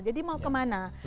jadi mau kemana